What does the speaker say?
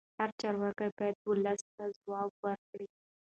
هر چارواکی باید ولس ته ځواب ورکړي